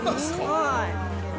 はい。